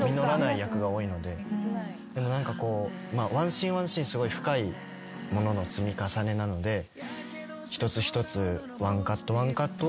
でも何かこう１シーン１シーンすごい深いものの積み重ねなので一つ一つ。